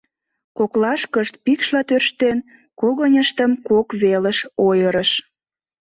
Коклашкышт пикшла тӧрштен, когыньыштым кок велыш ойырыш.